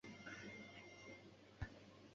生父为中国民主建国会创始人章乃器。